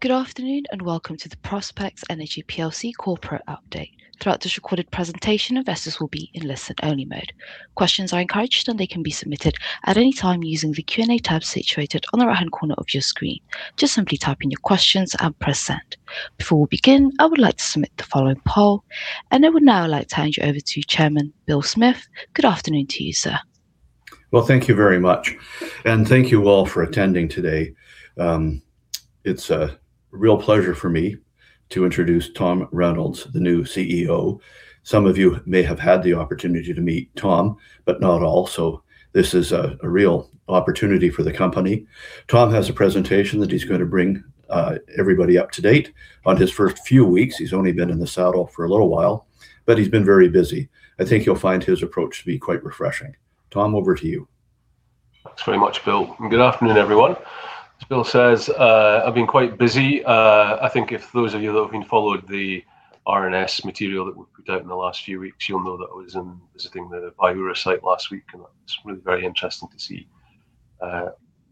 Good afternoon, and welcome to the Prospex Energy PLC corporate update. Throughout this recorded presentation, investors will be in listen-only mode. Questions are encouraged, and they can be submitted at any time using the Q&A tab situated on the right-hand corner of your screen. Just simply type in your questions and press Send. Before we begin, I would like to submit the following poll. I would now like to hand you over to Chairman Bill Smith. Good afternoon to you, sir. Well, thank you very much. Thank you all for attending today. It's a real pleasure for me to introduce Tom Reynolds, the new CEO. Some of you may have had the opportunity to meet Tom, but not all. This is a real opportunity for the company. Tom has a presentation that he's gonna bring everybody up to date on his first few weeks. He's only been in the saddle for a little while, but he's been very busy. I think you'll find his approach to be quite refreshing. Tom, over to you. Thanks very much, Bill. Good afternoon, everyone. As Bill says, I've been quite busy. I think if those of you that have been following the RNS material that we've put out in the last few weeks, you'll know that I was in visiting the Viura site last week. It's really very interesting to see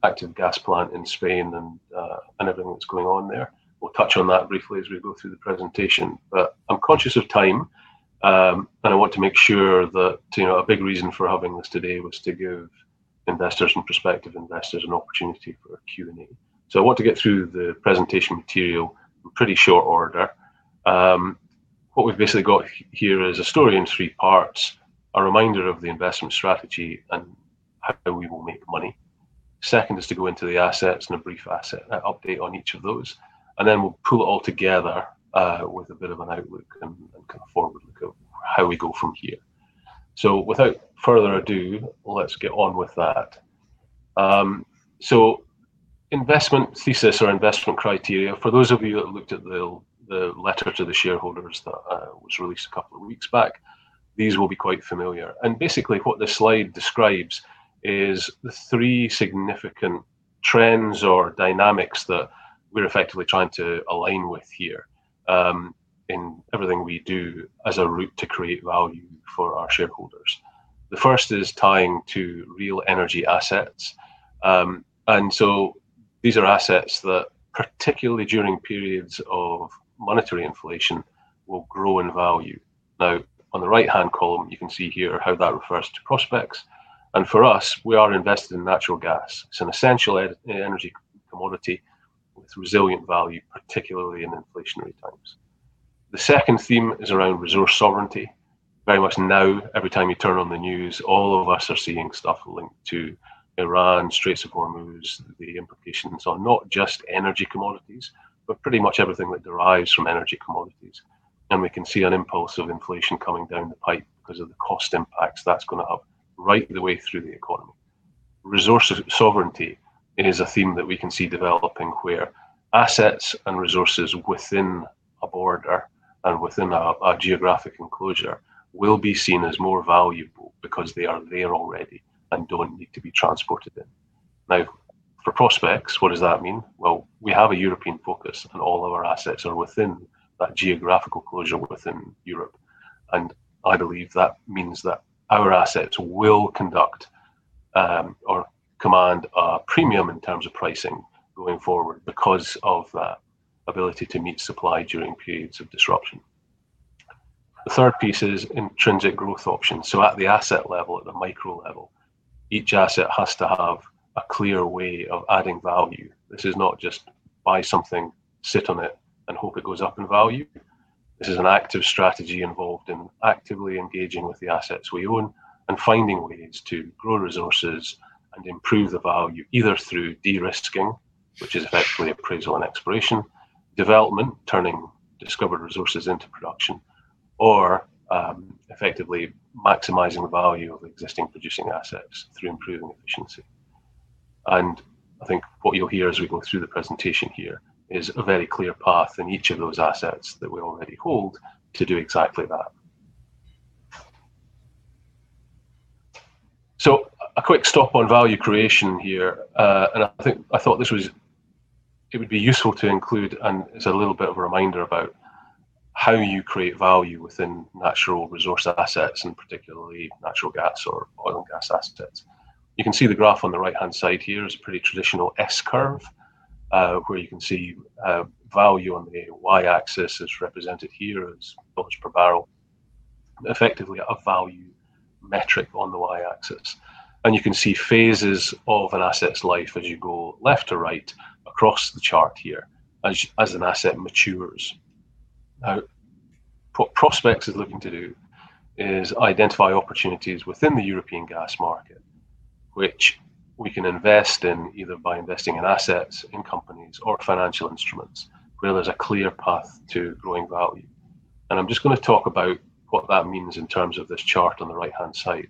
active gas plant in Spain and everything that's going on there. We'll touch on that briefly as we go through the presentation. I'm conscious of time, and I want to make sure that, you know, a big reason for having this today was to give investors and prospective investors an opportunity for a Q&A. I want to get through the presentation material in pretty short order. What we've basically got here is a story in three parts. A reminder of the investment strategy and how we will make money. Second is to go into the assets and a brief asset update on each of those. We'll pull it all together with a bit of an outlook and kind of forward look of how we go from here. Without further ado, let's get on with that. Investment thesis or investment criteria. For those of you that looked at the letter to the shareholders that was released a couple of weeks back, these will be quite familiar. Basically what this slide describes is the three significant trends or dynamics that we're effectively trying to align with here in everything we do as a route to create value for our shareholders. The first is tying to real energy assets. These are assets that particularly during periods of monetary inflation will grow in value. Now, on the right-hand column, you can see here how that refers to prospects. For us, we are invested in natural gas. It's an essential energy commodity with resilient value, particularly in inflationary times. The second theme is around resource sovereignty. Very much now every time you turn on the news, all of us are seeing stuff linked to Iran, Strait of Hormuz. The implications are not just energy commodities, but pretty much everything that derives from energy commodities. We can see an impulse of inflation coming down the pipe because of the cost impacts that's gonna have right the way through the economy. Resource sovereignty is a theme that we can see developing where assets and resources within a border and within a geographic enclosure will be seen as more valuable because they are there already and don't need to be transported in. Now, for prospects, what does that mean? Well, we have a European focus, and all of our assets are within that geographical closure within Europe. I believe that means that our assets will conduct or command a premium in terms of pricing going forward because of that ability to meet supply during periods of disruption. The third piece is intrinsic growth options. At the asset level, at the micro level, each asset has to have a clear way of adding value. This is not just buy something, sit on it and hope it goes up in value. This is an active strategy involved in actively engaging with the assets we own and finding ways to grow resources and improve the value either through de-risking, which is effectively appraisal and exploration, development, turning discovered resources into production, or effectively maximizing the value of existing producing assets through improving efficiency. I think what you'll hear as we go through the presentation here is a very clear path in each of those assets that we already hold to do exactly that. A quick stop on value creation here. I think it would be useful to include as a little bit of a reminder about how you create value within natural resource assets and particularly natural gas or oil and gas assets. You can see the graph on the right-hand side here is a pretty traditional S-curve, where you can see, value on the Y-axis is represented here as [bucks] per barrel. Effectively a value metric on the Y-axis. You can see phases of an asset's life as you go left to right across the chart here as an asset matures. Now, what Prospex is looking to do is identify opportunities within the European gas market, which we can invest in either by investing in assets, in companies or financial instruments where there's a clear path to growing value. I'm just gonna talk about what that means in terms of this chart on the right-hand side.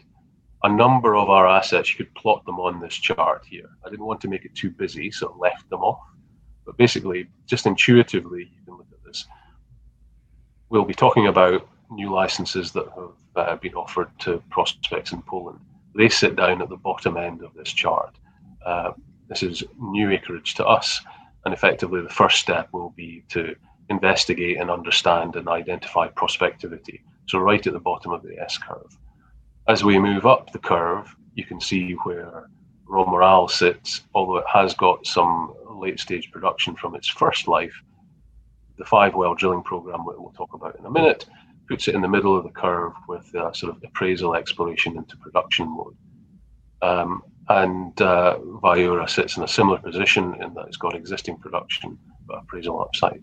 A number of our assets, you could plot them on this chart here. I didn't want to make it too busy, so I left them off. Basically, just intuitively, you can look at this. We'll be talking about new licenses that have been offered to Prospex in Poland. They sit down at the bottom end of this chart. This is new acreage to us. Effectively the first step will be to investigate and understand and identify prospectivity. Right at the bottom of the S-curve. As we move up the curve, you can see where El Romeral sits, although it has got some late-stage production from its first life. The five-well drilling program, which we'll talk about in a minute, puts it in the middle of the curve with sort of appraisal exploration into production mode. Viura sits in a similar position in that it's got existing production, but appraisal upside.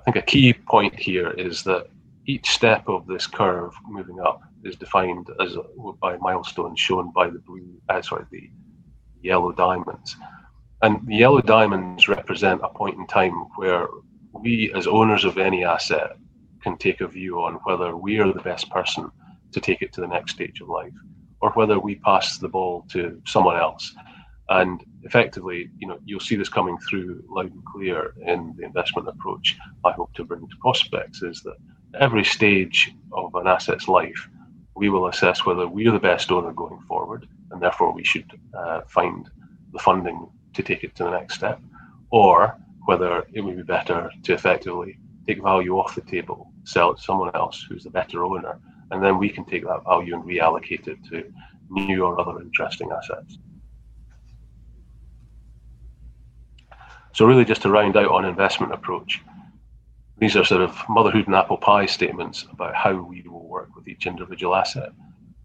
I think a key point here is that each step of this curve moving up is defined as by milestones shown by the yellow diamonds. The yellow diamonds represent a point in time where we, as owners of any asset, can take a view on whether we are the best person to take it to the next stage of life, or whether we pass the ball to someone else. Effectively, you know, you'll see this coming through loud and clear in the investment approach I hope to bring to prospects is that every stage of an asset's life, we will assess whether we are the best owner going forward, and therefore we should find the funding to take it to the next step. Whether it may be better to effectively take value off the table, sell it to someone else who's the better owner, and then we can take that value and reallocate it to new or other interesting assets. Really just to round out on investment approach, these are sort of motherhood and apple pie statements about how we will work with each individual asset.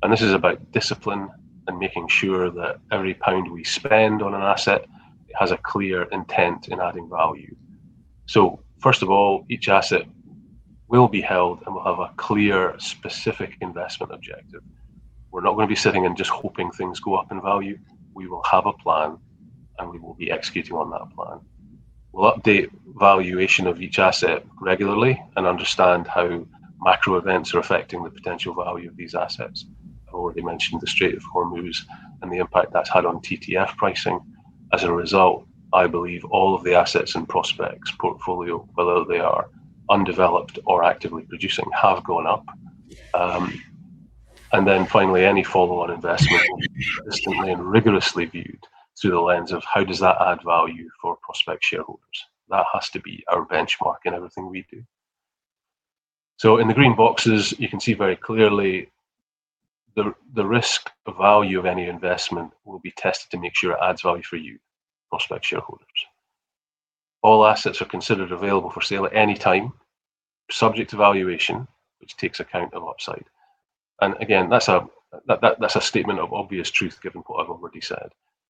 This is about discipline and making sure that every pound we spend on an asset has a clear intent in adding value. First of all, each asset will be held and will have a clear, specific investment objective. We're not gonna be sitting and just hoping things go up in value. We will have a plan, and we will be executing on that plan. We'll update valuation of each asset regularly and understand how macro events are affecting the potential value of these assets. I've already mentioned the Strait of Hormuz and the impact that's had on TTF pricing. As a result, I believe all of the assets in Prospex portfolio, whether they are undeveloped or actively producing, have gone up. Finally, any follow-on investment will be consistently and rigorously viewed through the lens of how does that add value for Prospex shareholders. That has to be our benchmark in everything we do. In the green boxes, you can see very clearly the risk value of any investment will be tested to make sure it adds value for you, Prospex shareholders. All assets are considered available for sale at any time, subject to valuation, which takes account of upside. That's a statement of obvious truth given what I've already said.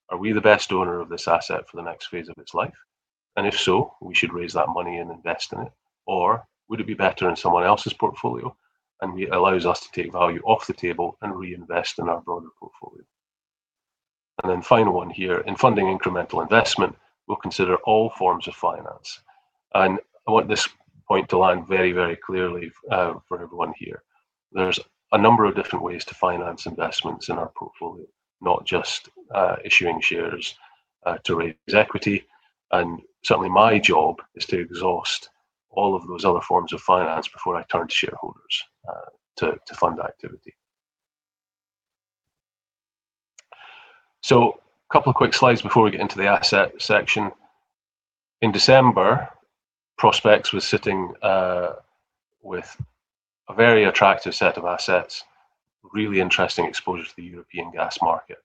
Are we the best owner of this asset for the next phase of its life? If so, we should raise that money and invest in it. Or would it be better in someone else's portfolio? It allows us to take value off the table and reinvest in our broader portfolio. Final one here, in funding incremental investment, we'll consider all forms of finance. I want this point to land very, very clearly for everyone here. There's a number of different ways to finance investments in our portfolio, not just issuing shares to raise equity. Certainly my job is to exhaust all of those other forms of finance before I turn to shareholders to fund activity. A couple of quick slides before we get into the asset section. In December, Prospex was sitting with a very attractive set of assets, really interesting exposure to the European gas market.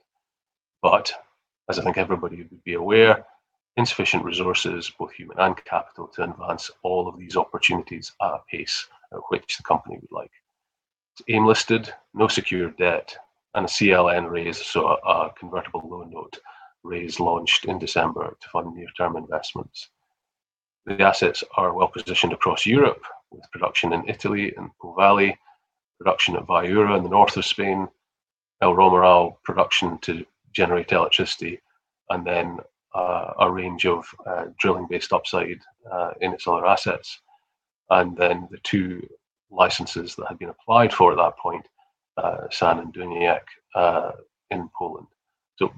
As I think everybody would be aware, insufficient resources, both human and capital, to advance all of these opportunities at a pace at which the company would like. It's AIM listed, no secured debt, and a CLN raise, so a convertible loan note raise launched in December to fund near-term investments. The assets are well-positioned across Europe with production in Italy in Po Valley, production at Viura in the north of Spain, El Romeral production to generate electricity, and then a range of drilling-based upside in its other assets. The two licenses that had been applied for at that point, San and Dunajec, in Poland.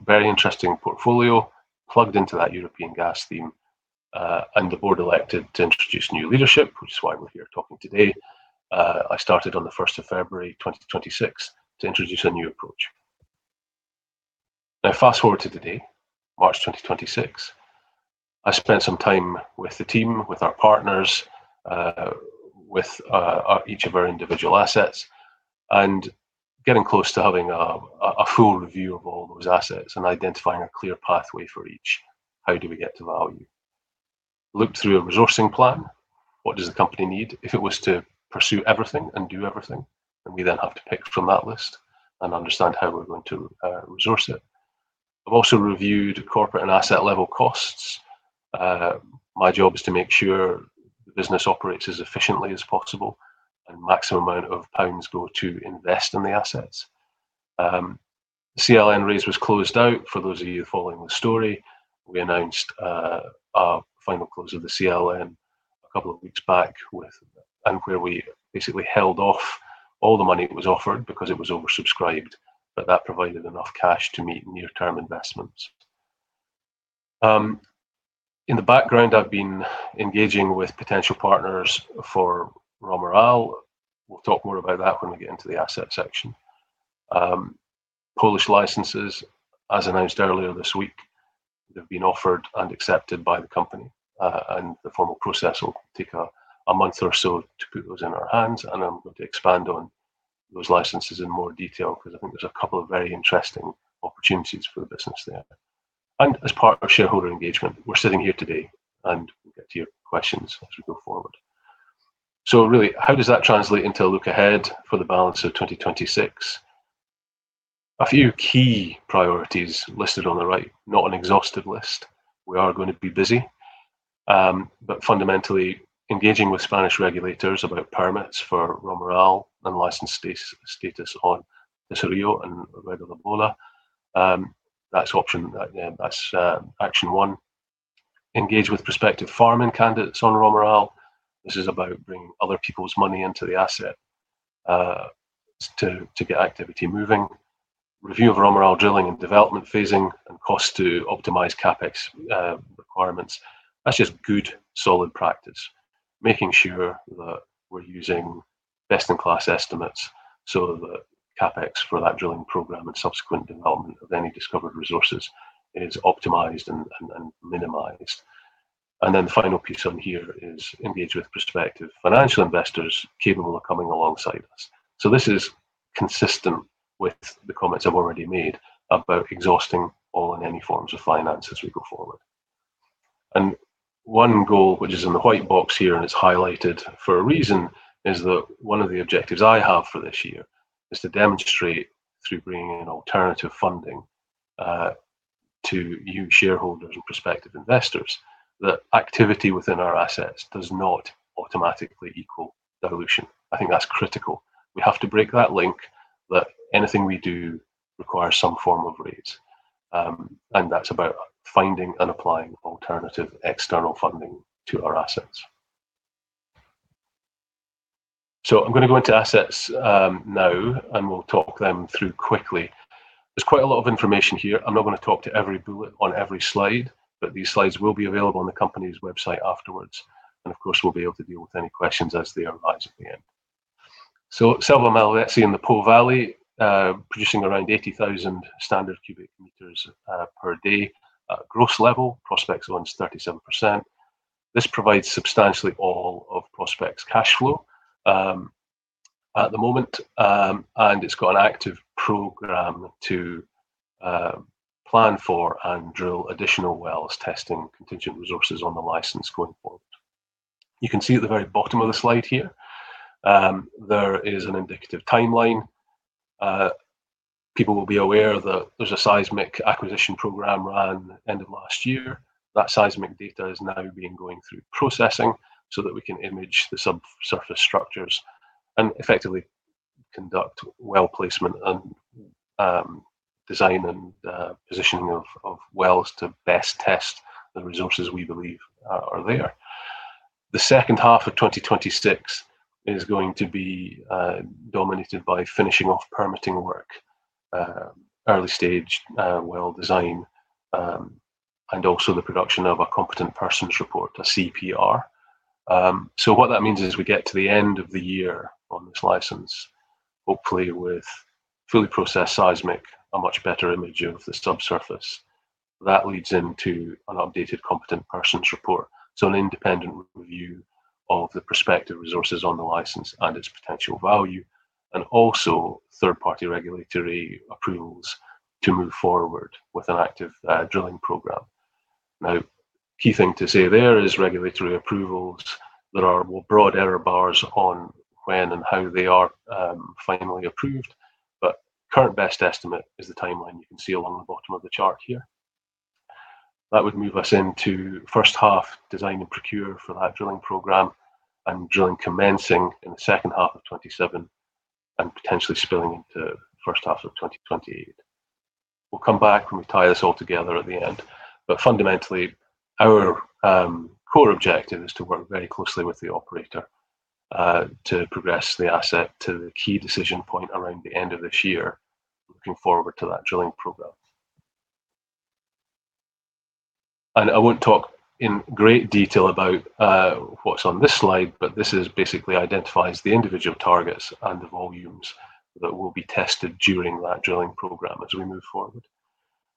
Very interesting portfolio plugged into that European gas theme. The board elected to introduce new leadership, which is why we're here talking today. I started on the first of February 2026 to introduce a new approach. Fast-forward to today, March 2026. I spent some time with the team, with our partners, with each of our individual assets and getting close to having a full review of all those assets and identifying a clear pathway for each. How do we get to value? Looked through a resourcing plan. What does the company need if it was to pursue everything and do everything? We then have to pick from that list and understand how we're going to resource it. I've also reviewed corporate and asset-level costs. My job is to make sure the business operates as efficiently as possible and maximum amount of pounds go to invest in the assets. CLN raise was closed out for those of you following the story. We announced our final close of the CLN a couple of weeks back, and where we basically held off all the money that was offered because it was oversubscribed, but that provided enough cash to meet near-term investments. In the background, I've been engaging with potential partners for El Romeral. We'll talk more about that when we get into the asset section. Polish licenses, as announced earlier this week. They've been offered and accepted by the company, and the formal process will take a month or so to put those in our hands. I'm going to expand on those licenses in more detail because I think there's a couple of very interesting opportunities for the business there. As part of shareholder engagement, we're sitting here today and we'll get to your questions as we go forward. Really, how does that translate into a look ahead for the balance of 2026? A few key priorities listed on the right, not an exhaustive list. We are going to be busy, but fundamentally engaging with Spanish regulators about permits for El Romeral and license status on Tesorillo and Ruedalabola. That's action one. Engage with prospective farming candidates on El Romeral. This is about bringing other people's money into the asset to get activity moving. Review of El Romeral drilling and development phasing and cost to optimize CapEx requirements. That's just good, solid practice. Making sure that we're using best-in-class estimates so that CapEx for that drilling program and subsequent development of any discovered resources is optimized and minimized. Then the final piece on here is to engage with prospective financial investors capable of coming alongside us. This is consistent with the comments I've already made about exhausting all and any forms of finance as we go forward. One goal, which is in the white box here and it's highlighted for a reason, is that one of the objectives I have for this year is to demonstrate through bringing in alternative funding to you shareholders and prospective investors that activity within our assets does not automatically equal dilution. I think that's critical. We have to break that link that anything we do requires some form of raise. That's about finding and applying alternative external funding to our assets. I'm going to go into assets now and we'll talk them through quickly. There's quite a lot of information here. I'm not going to talk to every bullet on every slide, but these slides will be available on the company's website afterwards. Of course, we'll be able to deal with any questions as they arise at the end. Selva Malvezzi in the Po Valley producing around 80,000 standard cubic meters per day. Gross level, Prospex owns 37%. This provides substantially all of Prospex's cash flow at the moment. It's got an active program to plan for and drill additional wells testing contingent resources on the license going forward. You can see at the very bottom of the slide here, there is an indicative timeline. People will be aware that there's a seismic acquisition program that ran at the end of last year. That seismic data has now been going through processing so that we can image the subsurface structures and effectively conduct well placement and design and positioning of wells to best test the resources we believe are there. The second half of 2026 is going to be dominated by finishing off permitting work, early-stage well design, and also the production of a Competent Person's Report, a CPR. What that means is we get to the end of the year on this license, hopefully with fully processed seismic, a much better image of the subsurface. That leads into an updated Competent Person's Report. An independent review of the prospective resources on the license and its potential value, and also third-party regulatory approvals to move forward with an active drilling program. Now, key thing to say there is regulatory approvals. There are more broad error bars on when and how they are finally approved. Current best estimate is the timeline you can see along the bottom of the chart here. That would move us into first half design and procure for that drilling program and drilling commencing in the second half of 2027 and potentially spilling into first half of 2028. We'll come back and we'll tie this all together at the end. Fundamentally, our core objective is to work very closely with the operator to progress the asset to the key decision point around the end of this year, looking forward to that drilling program. I won't talk in great detail about what's on this slide, but this basically identifies the individual targets and the volumes that will be tested during that drilling program as we move forward.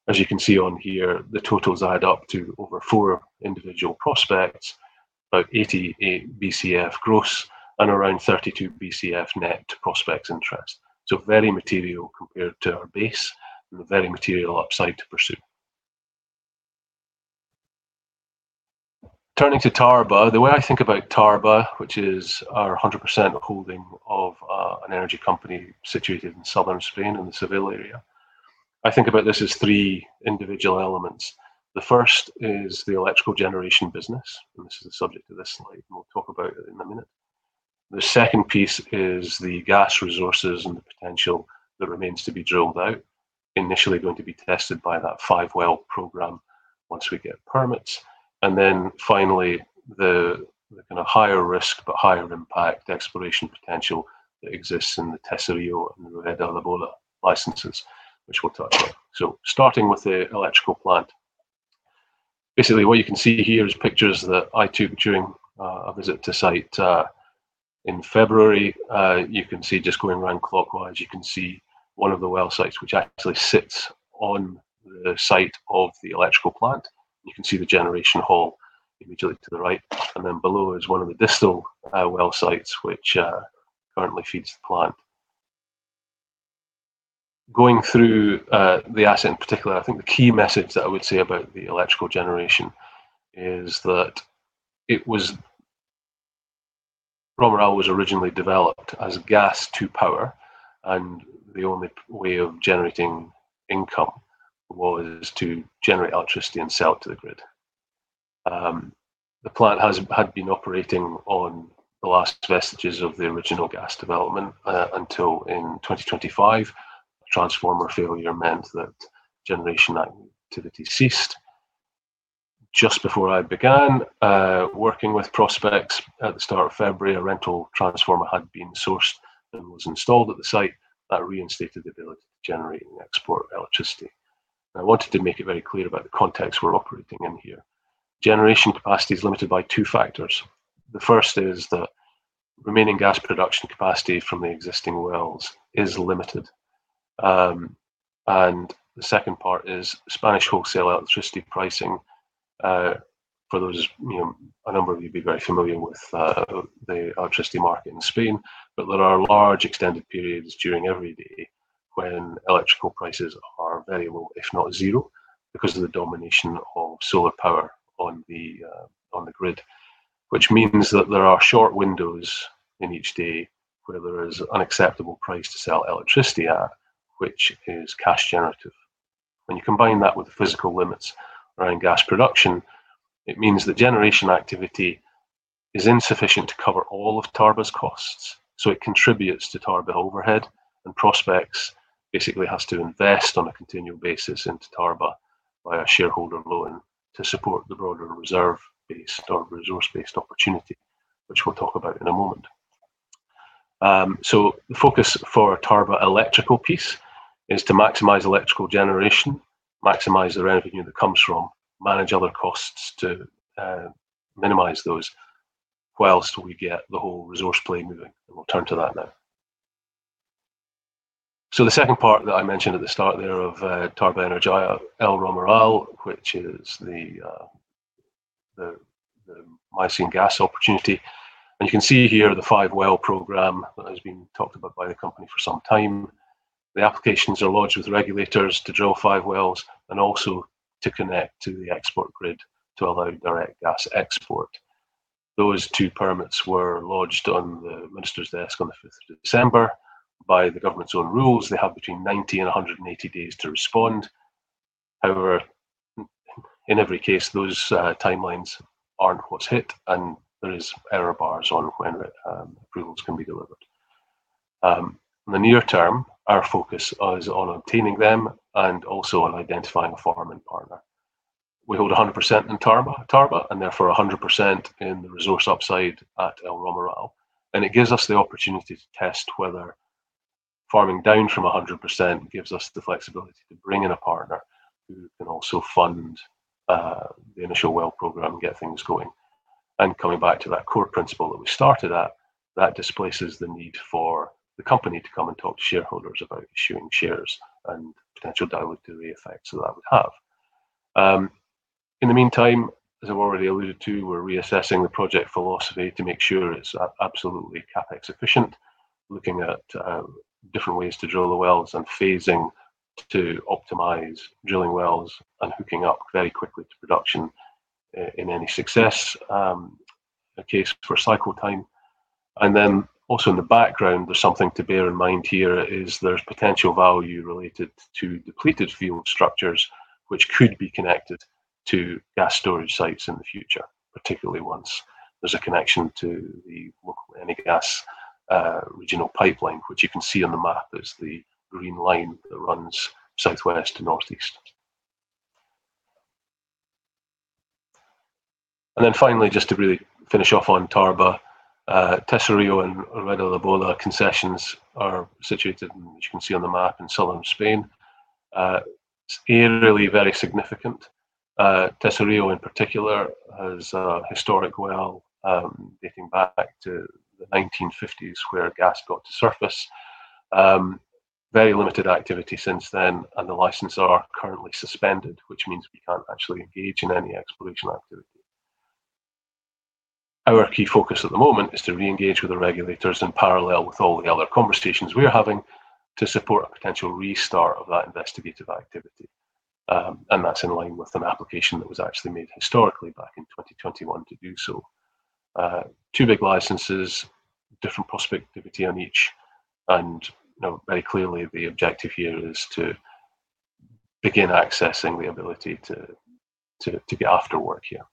As you can see on here, the totals add up to over four individual prospects, about 88 Bcf gross and around 32 Bcf net prospects interest. Very material compared to our base and very material upside to pursue. Turning to Tarba, the way I think about Tarba, which is our 100% holding of an energy company situated in southern Spain in the Seville area. I think about this as three individual elements. The first is the electrical generation business. This is the subject of this slide and we'll talk about it in a minute. The second piece is the gas resources and the potential that remains to be drilled out, initially going to be tested by that five well program once we get permits. Then finally, the kind of higher risk but higher impact exploration potential that exists in the Tesorillo and Ruedalabola licenses, which we'll talk about. Starting with the electrical plant. Basically, what you can see here is pictures that I took during a visit to site in February. You can see just going round clockwise, you can see one of the well sites which actually sits on the site of the electrical plant. You can see the generation hall immediately to the right, and then below is one of the distal well sites which currently feeds the plant. Going through the asset in particular, I think the key message that I would say about the electrical generation is that El Romeral was originally developed as gas to power, and the only way of generating income was to generate electricity and sell it to the grid. The plant had been operating on the last vestiges of the original gas development until in 2025, a transformer failure meant that generation activity ceased. Just before I began working with Prospex at the start of February, a rental transformer had been sourced and was installed at the site that reinstated the ability to generate and export electricity. I wanted to make it very clear about the context we're operating in here. Generation capacity is limited by two factors. The first is that remaining gas production capacity from the existing wells is limited. The second part is Spanish wholesale electricity pricing for those, you know, a number of you would be very familiar with the electricity market in Spain, but there are large extended periods during every day when electricity prices are very low, if not zero, because of the domination of solar power on the grid. Which means that there are short windows in each day where there is an acceptable price to sell electricity at, which is cash generative. When you combine that with the physical limits around gas production, it means the generation activity is insufficient to cover all of Tarba's costs, so it contributes to Tarba overhead, and Prospex basically has to invest on a continual basis into Tarba via shareholder loan to support the broader reserve-based or resource-based opportunity, which we'll talk about in a moment. The focus for Tarba electrical piece is to maximize electrical generation, maximize the revenue that comes from, manage other costs to, minimize those while we get the whole resource play moving. We'll turn to that now. The second part that I mentioned at the start there of Tarba Energía, El Romeral, which is the Miocene gas opportunity. You can see here the five-well program that has been talked about by the company for some time. The applications are lodged with regulators to drill five wells and also to connect to the export grid to allow direct gas export. Those two permits were lodged on the minister's desk on the fifth of December. By the government's own rules, they have between 90 and 180 days to respond. However, in every case, those timelines aren't what's hit, and there is error bars on when approvals can be delivered. In the near term, our focus is on obtaining them and also on identifying a farming partner. We hold 100% in Tarba, and therefore 100% in the resource upside at El Romeral. It gives us the opportunity to test whether farming down from 100% gives us the flexibility to bring in a partner who can also fund the initial well program and get things going. Coming back to that core principle that we started at, that displaces the need for the company to come and talk to shareholders about issuing shares and potential dilutive effects that would have. In the meantime, as I've already alluded to, we're reassessing the project philosophy to make sure it's absolutely CapEx efficient, looking at different ways to drill the wells and phasing to optimize drilling wells and hooking up very quickly to production in any success case for cycle time. Then also in the background, there's something to bear in mind here is there's potential value related to depleted field structures which could be connected to gas storage sites in the future, particularly once there's a connection to the local Enagás regional pipeline, which you can see on the map. There's the green line that runs southwest to northeast. Then finally, just to really finish off on Tarba, Tesorillo and Ruedalabola concessions are situated, as you can see on the map, in southern Spain. It's really very significant. Tesorillo, in particular, has a historic well, dating back to the 1950s, where gas got to surface. Very limited activity since then, and the licenses are currently suspended, which means we can't actually engage in any exploration activity. Our key focus at the moment is to re-engage with the regulators in parallel with all the other conversations we're having to support a potential restart of that investigative activity. That's in line with an application that was actually made historically back in 2021 to do so. Two big licenses, different prospectivity on each, and, you know, very clearly the objective here is to begin accessing the ability to get to work here.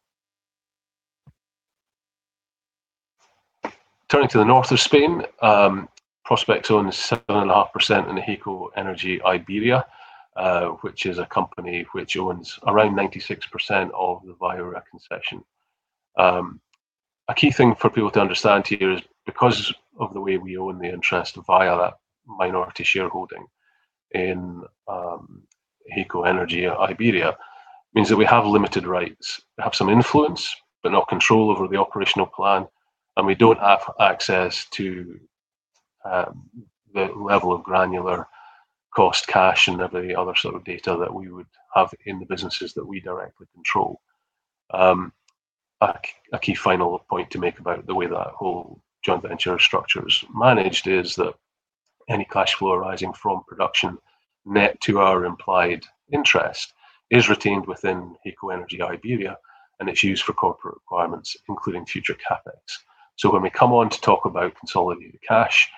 Turning to the north of Spain, Prospex owns 7.5% in HEYCO Energy Iberia, which is a company which owns around 96% of the Viura concession. A key thing for people to understand here is because of the way we own the interest via that minority shareholding in HEYCO Energy Iberia means that we have limited rights. We have some influence, but not control over the operational plan, and we don't have access to the level of granular cost cash and every other sort of data that we would have in the businesses that we directly control. A key final point to make about the way that whole joint venture structure is managed is that any cash flow arising from production net to our implied interest is retained within HEYCO Energy Iberia, and it's used for corporate requirements, including future CapEx. When we come on to talk about consolidated cash,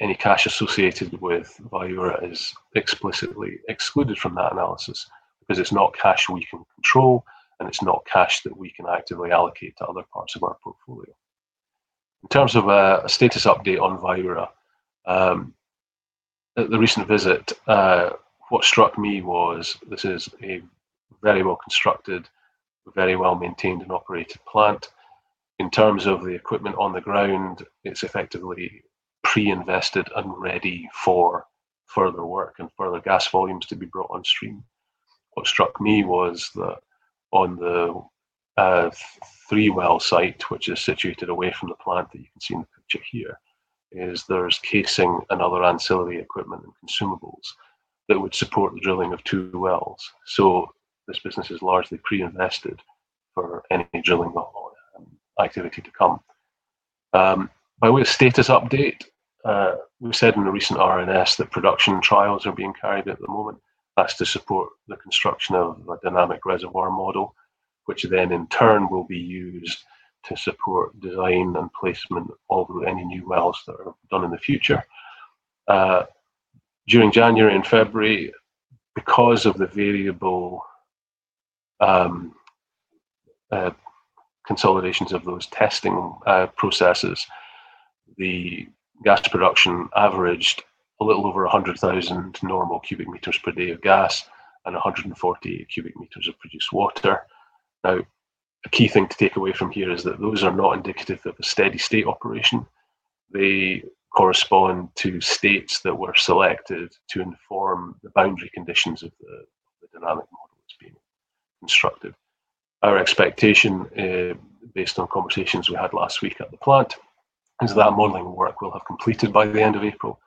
any cash associated with Viura is explicitly excluded from that analysis because it's not cash we can control, and it's not cash that we can actively allocate to other parts of our portfolio. In terms of a status update on Viura, at the recent visit, what struck me was this is a very well-constructed, very well-maintained and operated plant. In terms of the equipment on the ground, it's effectively pre-invested and ready for further work and further gas volumes to be brought on stream. What struck me was that on the three well site, which is situated away from the plant that you can see in the picture here, is there's casing and other ancillary equipment and consumables that would support the drilling of two wells. This business is largely pre-invested for any drilling well activity to come. By way of status update, we've said in the recent RNS that production trials are being carried out at the moment. That's to support the construction of a dynamic reservoir model, which then in turn will be used to support design and placement of any new wells that are done in the future. During January and February, because of the variable consolidations of those testing processes, the gas production averaged a little over 100,000 normal cubic meters per day of gas and 140 cubic meters of produced water. Now, a key thing to take away from here is that those are not indicative of a steady-state operation. They correspond to states that were selected to inform the boundary conditions of the dynamic model that's being constructed. Our expectation, based on conversations we had last week at the plant, is that modeling work will have completed by the end of April,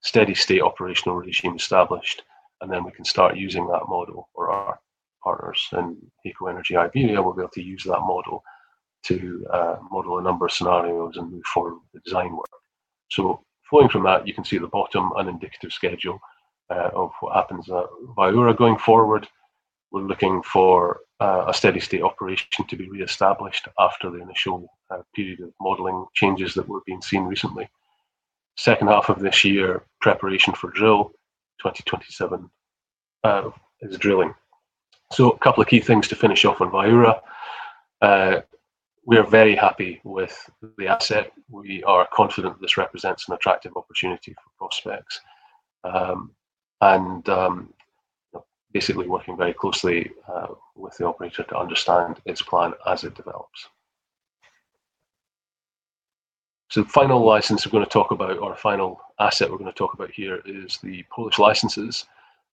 steady-state operational regime established, and then we can start using that model or our partners and HEYCO Energy Iberia will be able to use that model to model a number of scenarios and move forward with the design work. Flowing from that, you can see at the bottom an indicative schedule of what happens at Viura going forward. We're looking for a steady state operation to be reestablished after the initial period of modeling changes that we've been seeing recently. Second half of this year, preparation for drill. 2027 is drilling. A couple of key things to finish off on Viura. We are very happy with the asset. We are confident this represents an attractive opportunity for Prospex. Basically working very closely with the operator to understand its plan as it develops. The final license we're gonna talk about or final asset we're gonna talk about here is the Polish licenses.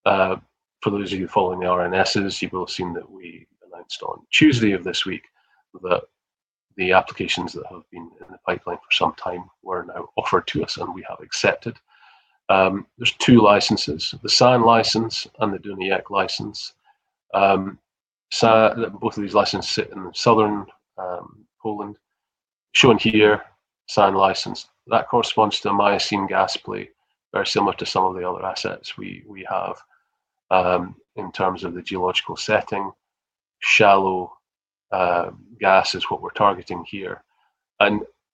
For those of you following the RNSs, you will have seen that we announced on Tuesday of this week that the applications that have been in the pipeline for some time were now offered to us, and we have accepted. There's two licenses, the San license and the Dunajec license. So both of these licenses sit in Southern Poland. Shown here, San license. That corresponds to Miocene gas play, very similar to some of the other assets we have in terms of the geological setting. Shallow gas is what we're targeting here.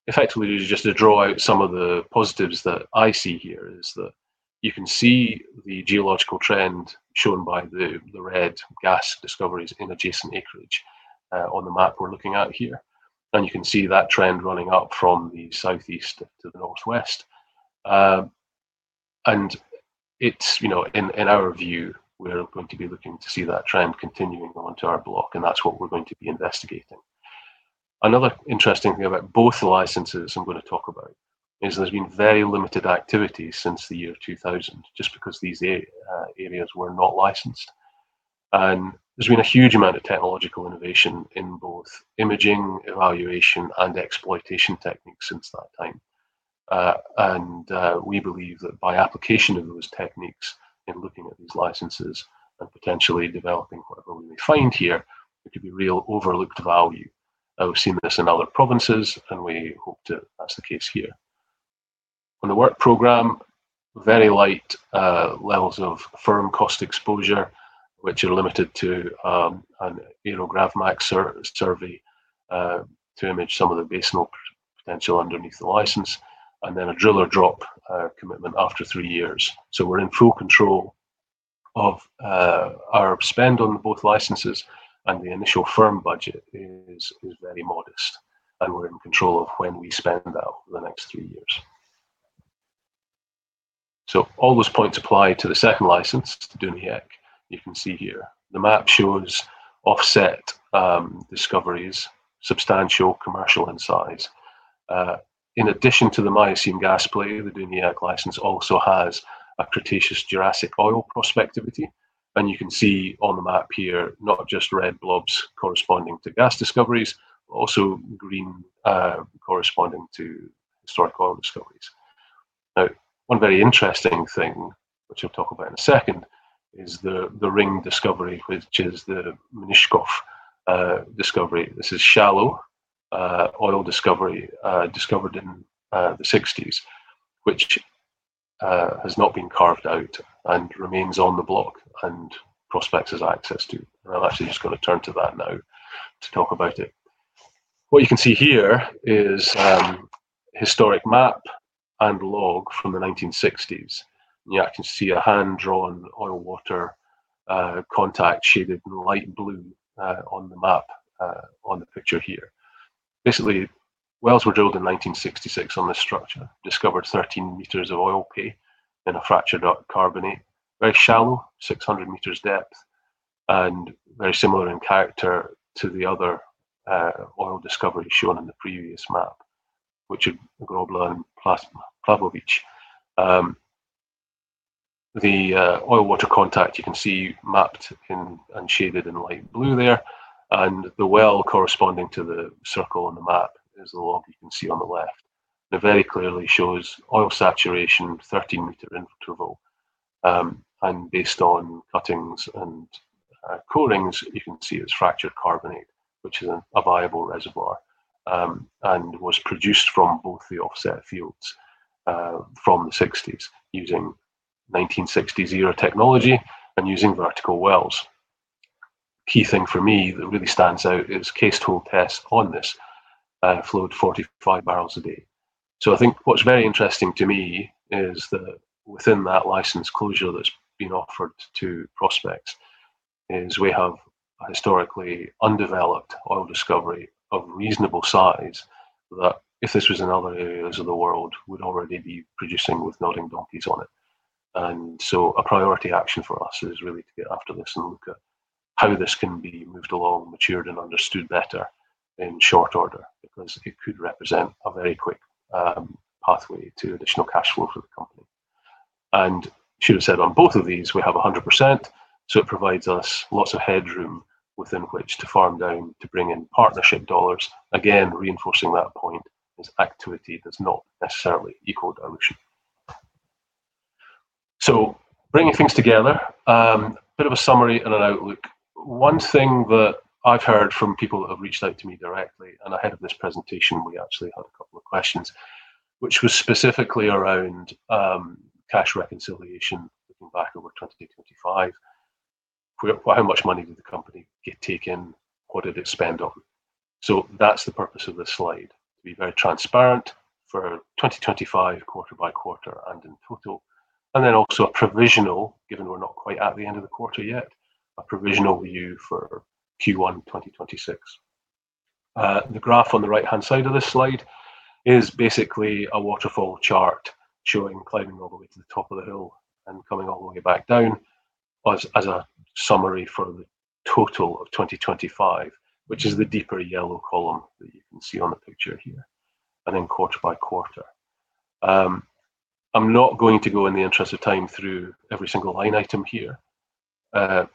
Effectively, just to draw out some of the positives that I see here is that you can see the geological trend shown by the red gas discoveries in adjacent acreage on the map we're looking at here. You can see that trend running up from the southeast to the northwest. It's our view, we're going to be looking to see that trend continuing onto our block, and that's what we're going to be investigating. Another interesting thing about both licenses I'm gonna talk about is there's been very limited activity since the year 2000, just because these areas were not licensed. There's been a huge amount of technological innovation in both imaging, evaluation, and exploitation techniques since that time. We believe that by application of those techniques in looking at these licenses and potentially developing whatever we may find here, it could be real overlooked value. Now we've seen this in other provinces, and we hope that's the case here. On the work program, very light levels of firm cost exposure, which are limited to, you know, gravity-magnetic survey to image some of the basin potential underneath the license, and then a drill or drop commitment after three years. We're in full control of our spend on both licenses, and the initial firm budget is very modest. We're in control of when we spend that over the next three years. All those points apply to the second license, to Dunajec. You can see here the map shows offset discoveries, substantial commercial in size. In addition to the Miocene gas play, the Dunajec license also has a Cretaceous/Jurassic oil prospectivity. You can see on the map here, not just red blobs corresponding to gas discoveries, but also green corresponding to historic oil discoveries. Now, one very interesting thing which I'll talk about in a second is the ring discovery, which is the Mniszów discovery. This is shallow oil discovery discovered in the 1960s which has not been carved out and remains on the block and Prospex has access to. I've actually just got to turn to that now to talk about it. What you can see here is historic map and log from the 1960s, and you can see a hand-drawn oil-water contact shaded in light blue on the map on the picture here. Basically, wells were drilled in 1966 on this structure, discovered 13 m of oil pay in a fractured carbonate. Very shallow, 600 m depth, and very similar in character to the other oil discovery shown on the previous map, which would Grobla and Pławowice. The oil-water contact you can see mapped in and shaded in light blue there. The well corresponding to the circle on the map is the log you can see on the left. It very clearly shows oil saturation 13 m interval. Based on cuttings and cavings, you can see it's fractured carbonate, which is a viable reservoir, and was produced from both the offset fields from the 1960s using 1960 technology and using vertical wells. Key thing for me that really stands out is cased-hole tests on this flowed 45 barrels a day. I think what's very interesting to me is that within that license area that's been offered to Prospex is we have a historically undeveloped oil discovery of reasonable size that if this was in other areas of the world, would already be producing with nodding donkeys on it. A priority action for us is really to get after this and look at how this can be moved along, matured, and understood better in short order, because it could represent a very quick pathway to additional cash flow for the company. I should have said on both of these, we have 100%, so it provides us lots of headroom within which to farm down to bring in partnership dollars. Again, reinforcing that point is activity that's not necessarily equal dilution. Bringing things together, a bit of a summary and an outlook. One thing that I've heard from people that have reached out to me directly and ahead of this presentation, we actually had a couple of questions, which was specifically around cash reconciliation looking back over 2025. Well, how much money did the company get in? What did it spend on? That's the purpose of this slide, to be very transparent for 2025 quarter by quarter and in total. Then also a provisional, given we're not quite at the end of the quarter yet, a provisional view for Q1 2026. The graph on the right-hand side of this slide is basically a waterfall chart showing climbing all the way to the top of the hill and coming all the way back down as a summary for the total of 2025, which is the deeper yellow column that you can see on the picture here, and then quarter by quarter. I'm not going to go in the interest of time through every single line item here. The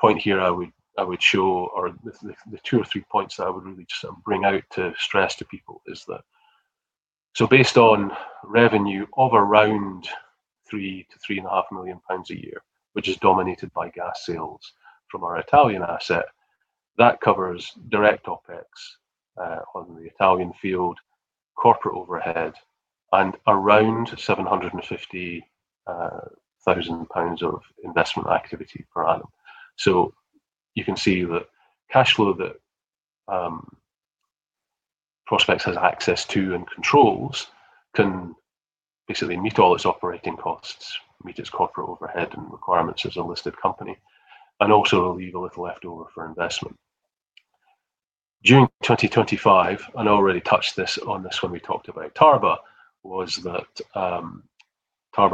point here I would show or the two or three points that I would really just bring out to stress to people is that based on revenue of around 3 million-3.5 million pounds a year, which is dominated by gas sales from our Italian asset, that covers direct OpEx on the Italian field, corporate overhead, and around 750,000 pounds of investment activity per annum. You can see that cash flow that Prospex has access to and controls can basically meet all its operating costs, meet its corporate overhead and requirements as a listed company, and also leave a little leftover for investment. June 2025, I already touched on this when we talked about Tarba. Tarba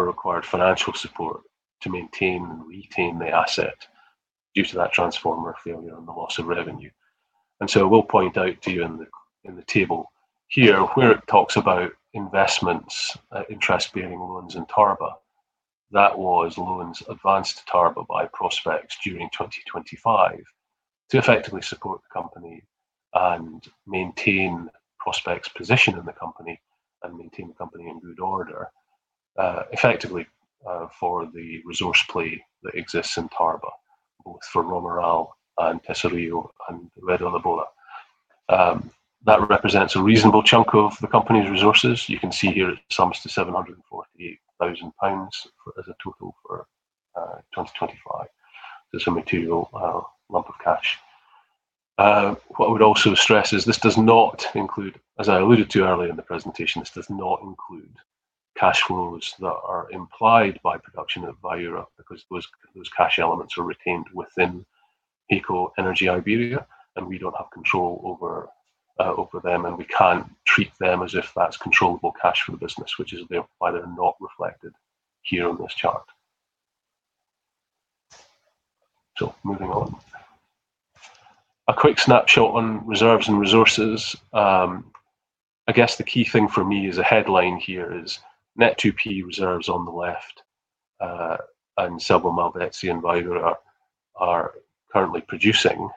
required financial support to maintain and retain the asset due to that transformer failure and the loss of revenue. I will point out to you in the table here where it talks about investments in interest-bearing loans in Tarba. That was loans advanced to Tarba by Prospex during 2025 to effectively support the company and maintain Prospex's position in the company and maintain the company in good order, effectively, for the resource play that exists in Tarba, both for El Romeral and Tesorillo and Ruedalabola. That represents a reasonable chunk of the company's resources. You can see here it sums to 748,000 pounds as a total for 2025. That's a material lump of cash. What I would also stress is this does not include, as I alluded to earlier in the presentation, this does not include cash flows that are implied by production at Viura because those cash elements were retained within HEYCO energy Iberia, and we don't have control over them, and we can't treat them as if that's controllable cash for the business, which is why they're not reflected here on this chart. Moving on. A quick snapshot on reserves and resources. I guess the key thing for me is the headline here is net 2P reserves on the left, and Selva Malvezzi and Viura are currently producing.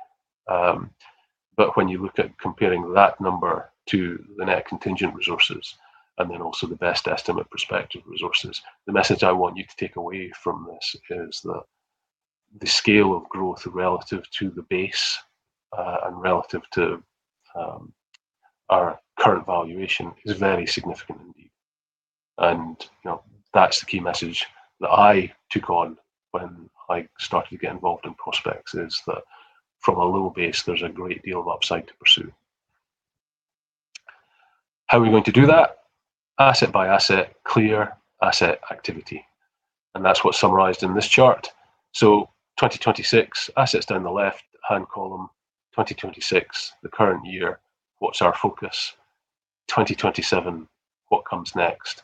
When you look at comparing that number to the net contingent resources and then also the best estimate prospective resources, the message I want you to take away from this is that the scale of growth relative to the base, and relative to, our current valuation is very significant indeed. You know, that's the key message that I took on when I started to get involved in Prospex, is that from a low base, there's a great deal of upside to pursue. How are we going to do that? Asset by asset, clear asset activity. That's what's summarized in this chart. 2026 assets down the left-hand column. 2026, the current year. What's our focus? 2027, what comes next?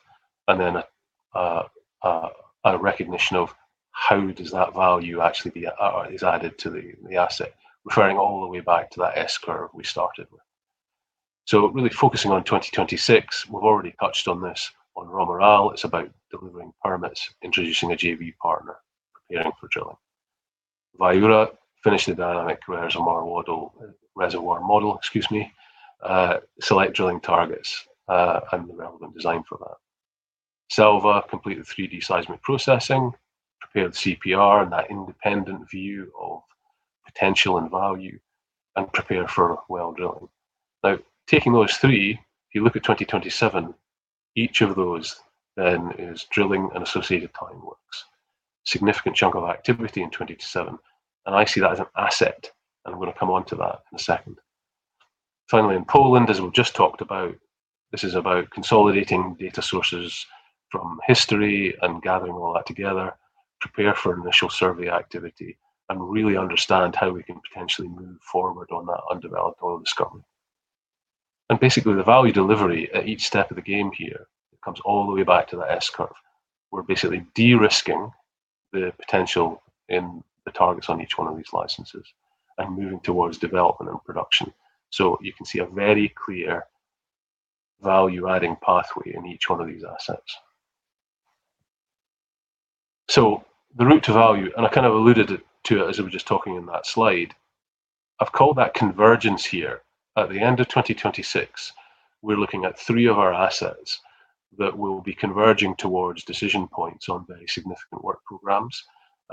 Recognition of how that value actually is added to the asset, referring all the way back to that S-curve we started with. Really focusing on 2026. We've already touched on this. On El Romeral, it's about delivering permits, introducing a JV partner, preparing for drilling. Viura, finish the dynamic reservoir model. Select drilling targets, and the relevant design for that. Selva, complete the 3D seismic processing, prepare the CPR and that independent view of potential and value, and prepare for well drilling. Now, taking those three, if you look at 2027, each of those then is drilling and associated timelines. Significant chunk of activity in 2027, and I see that as an asset, and I'm gonna come onto that in a second. Finally, in Poland, as we've just talked about, this is about consolidating data sources from history and gathering all that together, prepare for initial survey activity and really understand how we can potentially move forward on that undeveloped oil discovery. Basically, the value delivery at each step of the game here comes all the way back to that S-curve. We're basically de-risking the potential in the targets on each one of these licenses and moving towards development and production. You can see a very clear value-adding pathway in each one of these assets. The route to value, and I kind of alluded it to it as we were just talking in that slide. I've called that convergence here. At the end of 2026, we're looking at three of our assets that will be converging towards decision points on very significant work programs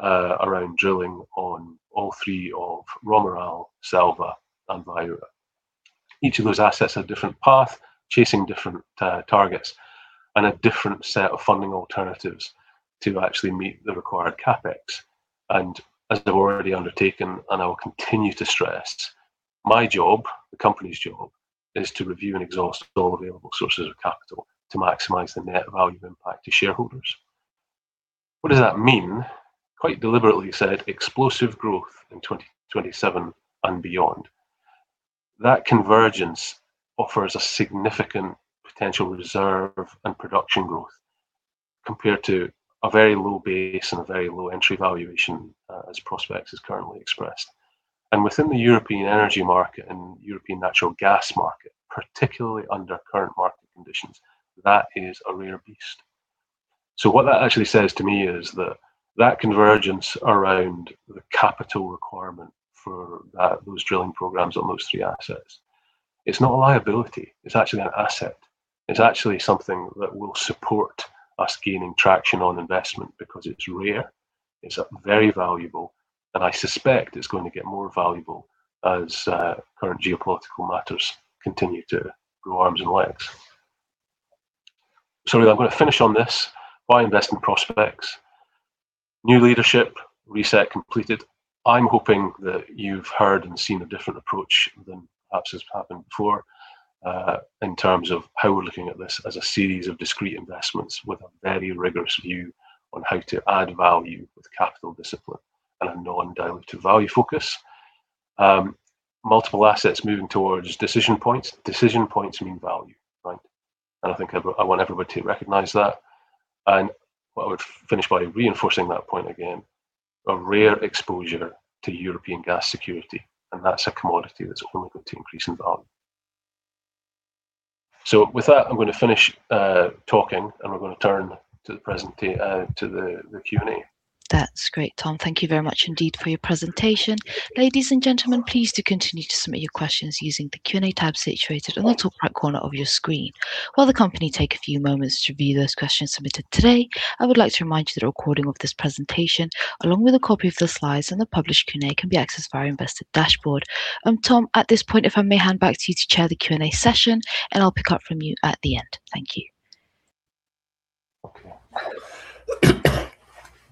around drilling on all three of El Romeral, Selva, and Viura. Each of those assets have different path, chasing different targets and a different set of funding alternatives to actually meet the required CapEx. As they've already undertaken, and I will continue to stress, my job, the company's job, is to review and exhaust all available sources of capital to maximize the net value impact to shareholders. What does that mean? Quite deliberately said, explosive growth in 2027 and beyond. That convergence offers a significant potential reserve and production growth compared to a very low base and a very low entry valuation as Prospex is currently expressed. Within the European energy market and European natural gas market, particularly under current market conditions, that is a rare beast. What that actually says to me is that convergence around the capital requirement for that, those drilling programs on those three assets, it's not a liability. It's actually an asset. It's actually something that will support us gaining traction on investment because it's rare, it's very valuable, and I suspect it's going to get more valuable as current geopolitical matters continue to grow arms and legs. I'm gonna finish on this. Why invest in Prospex? New leadership reset completed. I'm hoping that you've heard and seen a different approach than perhaps has happened before, in terms of how we're looking at this as a series of discrete investments with a very rigorous view on how to add value with capital discipline and a non-dilutive value focus. Multiple assets moving towards decision points. Decision points mean value, right? I think I want everybody to recognize that. What I would finish by reinforcing that point again, a rare exposure to European gas security, and that's a commodity that's only going to increase in value. With that, I'm gonna finish talking, and we're gonna turn to the Q&A. That's great, Tom. Thank you very much indeed for your presentation. Ladies and gentlemen, please do continue to submit your questions using the Q&A tab situated on the top right corner of your screen. While the company take a few moments to review those questions submitted today, I would like to remind you that a recording of this presentation, along with a copy of the slides and the published Q&A, can be accessed via our investor dashboard. Tom, at this point, if I may hand back to you to chair the Q&A session, and I'll pick up from you at the end. Thank you.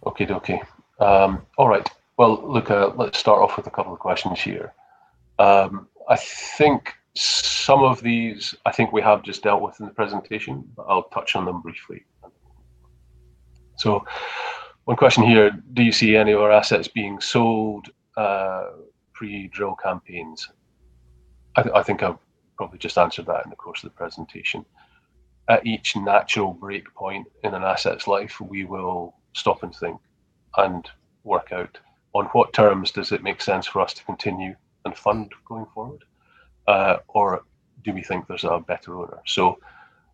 Okay. Okey-dokey. All right. Well, look, let's start off with a couple of questions here. I think some of these, I think we have just dealt with in the presentation, but I'll touch on them briefly. One question here. "Do you see any of our assets being sold pre-drill campaigns?" I think I've probably just answered that in the course of the presentation. At each natural break point in an asset's life, we will stop and think and work out on what terms does it make sense for us to continue and fund going forward, or do we think there's a better owner.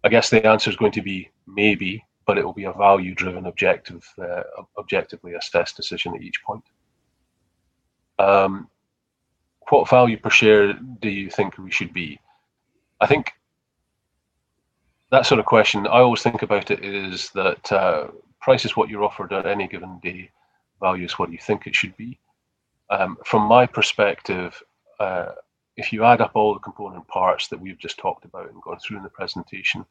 I guess the answer is going to be maybe, but it will be a value-driven objective, objectively assessed decision at each point. "What value per share do you think we should be?" I think that sort of question. I always think about it this way, that price is what you're offered on any given day. Value is what you think it should be. From my perspective, if you add up all the component parts that we've just talked about and gone through in the presentation,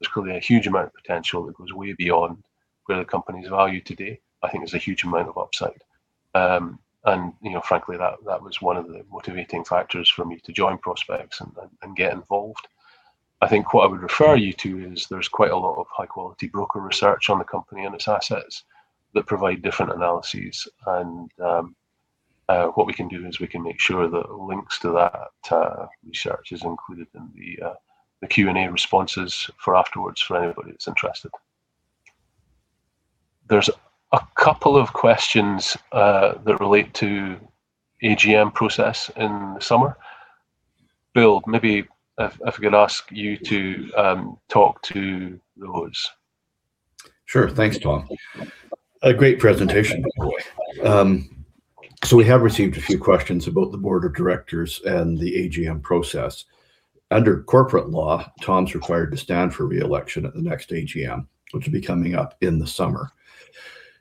there's clearly a huge amount of potential that goes way beyond where the company's valued today. I think there's a huge amount of upside. You know, frankly, that was one of the motivating factors for me to join Prospex and get involved. I think what I would refer you to is there's quite a lot of high-quality broker research on the company and its assets that provide different analyses and what we can do is we can make sure that links to that research is included in the Q&A responses for afterwards for anybody that's interested. There's a couple of questions that relate to AGM process in the summer. Bill, maybe if I could ask you to talk to those. Sure. Thanks, Tom. A great presentation. We have received a few questions about the board of directors and the AGM process. Under corporate law, Tom's required to stand for re-election at the next AGM, which will be coming up in the summer.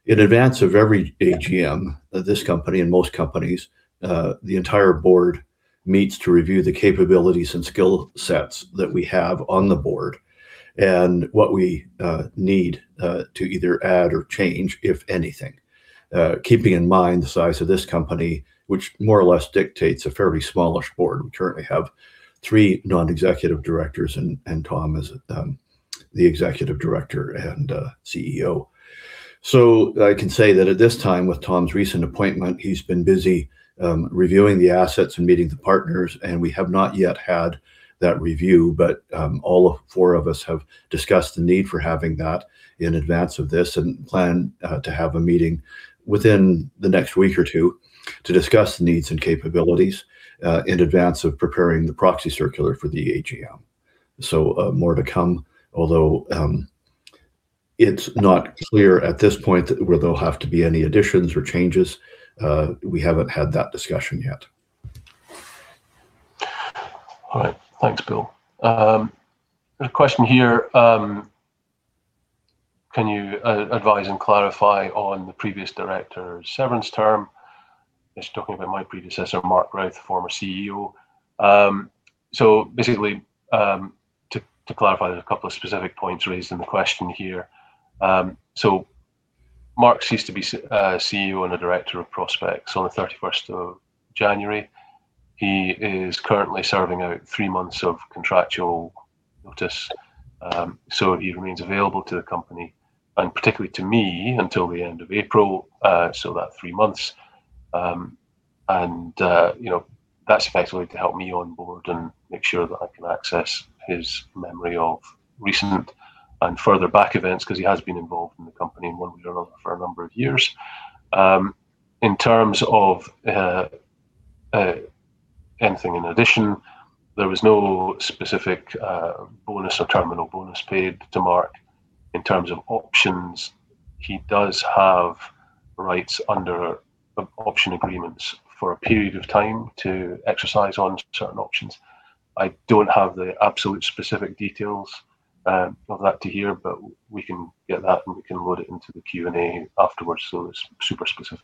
In advance of every AGM of this company and most companies, the entire board meets to review the capabilities and skill sets that we have on the board and what we need to either add or change, if anything. Keeping in mind the size of this company, which more or less dictates a fairly smallish board. We currently have three non-executive directors and Tom is the Executive Director and CEO. I can say that at this time with Tom's recent appointment, he's been busy, reviewing the assets and meeting the partners, and we have not yet had that review. All four of us have discussed the need for having that in advance of this and plan to have a meeting within the next week or two to discuss the needs and capabilities in advance of preparing the proxy circular for the AGM. More to come, although it's not clear at this point whether there'll have to be any additions or changes. We haven't had that discussion yet. All right. Thanks, Bill. There's a question here, "Can you advise and clarify on the previous director severance term?" It's talking about my predecessor, Mark Routh, former CEO. Basically, to clarify, there's a couple of specific points raised in the question here. Mark ceased to be CEO and a Director of Prospex on the 31st of January. He is currently serving out three months of contractual notice. He remains available to the company and particularly to me until the end of April, so about three months. You know, that's basically to help me onboard and make sure that I can access his memory of recent and further back events 'cause he has been involved in the company in one way or another for a number of years. In terms of anything in addition, there was no specific bonus or terminal bonus paid to Mark. In terms of options, he does have rights under option agreements for a period of time to exercise on certain options. I don't have the absolute specific details of that right here, but we can get that, and we can load it into the Q&A afterwards, so it's super specific.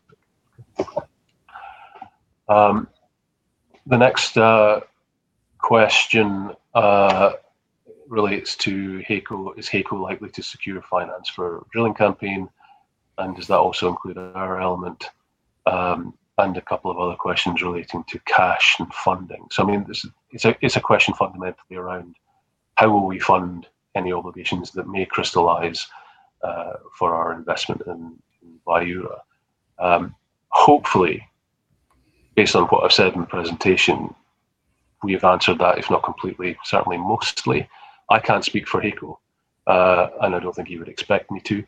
The next question relates to HEYCO. "Is HEYCO likely to secure finance for a drilling campaign, and does that also include our element?" And a couple of other questions relating to cash and funding. I mean, this, it's a question fundamentally around how will we fund any obligations that may crystallize for our investment in Viura. Hopefully, based on what I've said in the presentation, we have answered that, if not completely, certainly mostly. I can't speak for HEYCO, and I don't think you would expect me to.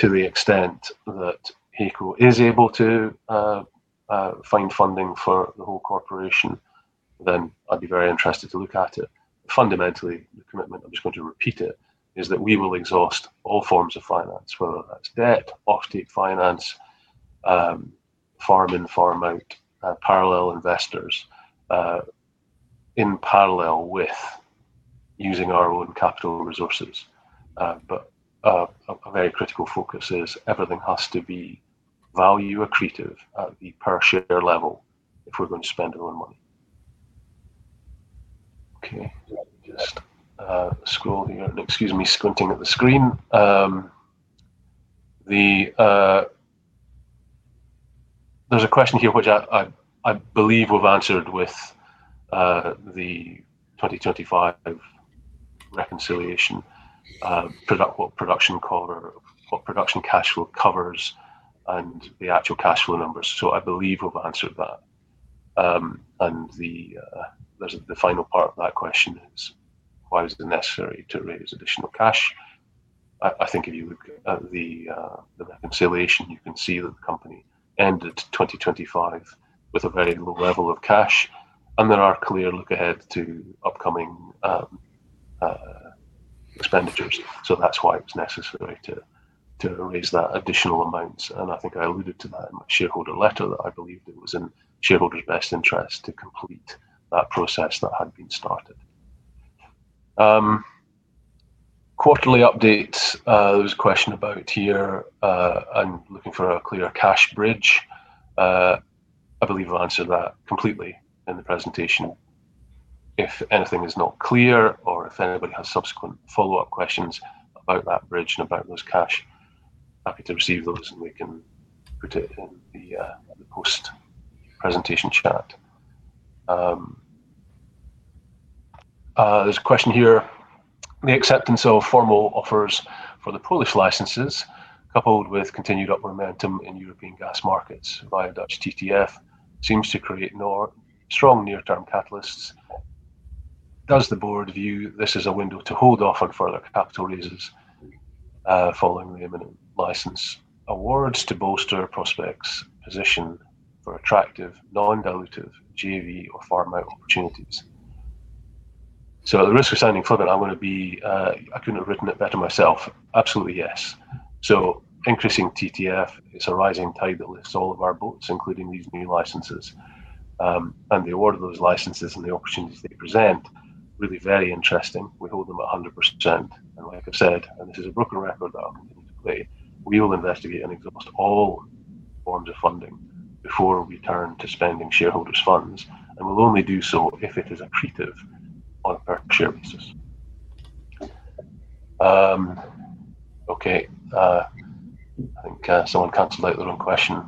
To the extent that HEYCO is able to find funding for the whole corporation, then I'd be very interested to look at it. Fundamentally, the commitment, I'm just going to repeat it, is that we will exhaust all forms of finance, whether that's debt, off-take finance, farm-in, farm-out, parallel investors, in parallel with using our own capital resources. But a very critical focus is everything has to be value accretive at the per share level if we're going to spend our own money. Okay. Just scroll here. Excuse me squinting at the screen. There's a question here which I believe we've answered with the 2025 reconciliation, what production cover, what production cash flow covers and the actual cash flow numbers. I believe we've answered that. There's the final part of that question is, "Why is it necessary to raise additional cash?" I think if you look at the reconciliation, you can see that the company ended 2025 with a very low level of cash, and there are clear look ahead to upcoming expenditures. That's why it was necessary to raise that additional amount. I think I alluded to that in my shareholder letter that I believed it was in shareholders' best interest to complete that process that had been started. Quarterly updates, there was a question about here, I'm looking for a clear cash bridge. I believe I've answered that completely in the presentation. If anything is not clear or if anybody has subsequent follow-up questions about that bridge and about those cash, happy to receive those, and we can put it in the post-presentation chat. There's a question here. "The acceptance of formal offers for the Polish licenses coupled with continued upward momentum in European gas markets via Dutch TTF seems to create strong near-term catalysts. Does the Board view this as a window to hold off on further capital raises, following the imminent license awards to bolster Prospex's position for attractive non-dilutive JV or farm-out opportunities?" At the risk of sounding flippant, I'm gonna be, I couldn't have written it better myself. Absolutely, yes. Increasing TTF is a rising tide that lifts all of our boats, including these new licenses, and the award of those licenses and the opportunities they present really very interesting. We hold them at 100%. Like I said, and this is a broken record that I'll continue to play, we will investigate and exhaust all forms of funding before we turn to spending shareholders' funds, and we'll only do so if it is accretive on a per share basis. I think someone canceled out their own question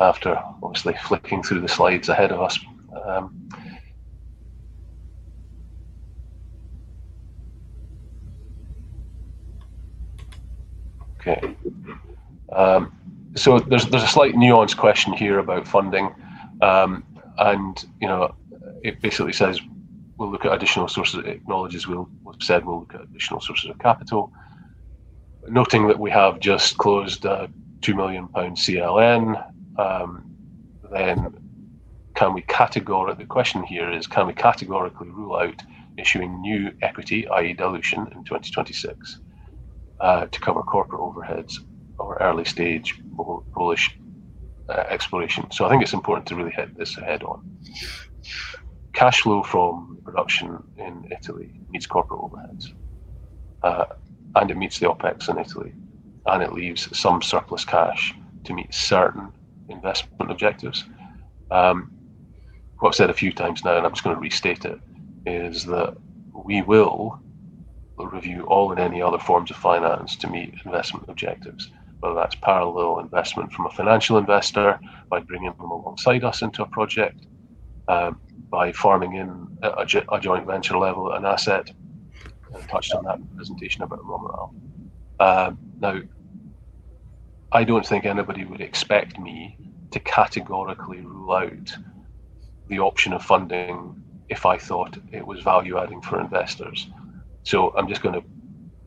after obviously flicking through the slides ahead of us. There's a slight nuanced question here about funding. You know, it basically says we'll look at additional sources. It acknowledges what I've said, we'll look at additional sources of capital. The question here is, "Can we categorically rule out issuing new equity, i.e. dilution, in 2026 to cover corporate overheads or early stage Polish exploration?" I think it's important to really hit this head-on. Cash flow from production in Italy meets corporate overheads, and it meets the OpEx in Italy, and it leaves some surplus cash to meet certain investment objectives. What I've said a few times now, and I'm just gonna restate it, is that we will review all and any other forms of finance to meet investment objectives, whether that's parallel investment from a financial investor by bringing them alongside us into a project, by farming in a joint venture level, an asset. I touched on that in the presentation about El Romeral. Now I don't think anybody would expect me to categorically rule out the option of funding if I thought it was value-adding for investors. I'm just gonna